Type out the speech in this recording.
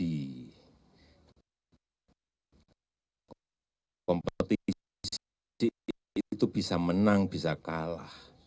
kompetisi itu bisa menang bisa kalah